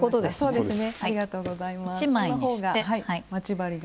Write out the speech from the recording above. そうですね。